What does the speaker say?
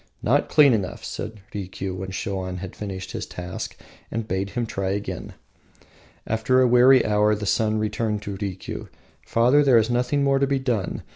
"Not clean enough," said Rikiu, when Shoan had finished his task, and bade him try again. After a weary hour the son turned to Rikiu: "Father, there is nothing more to be done.